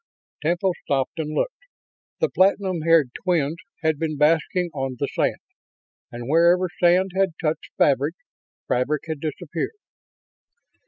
Temple stopped and looked. The platinum haired twins had been basking on the sand, and wherever sand had touched fabric, fabric had disappeared.